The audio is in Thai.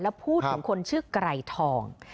แล้วพูดถึงคนชื่อไกรทอง